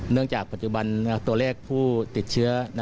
จากปัจจุบันตัวเลขผู้ติดเชื้อ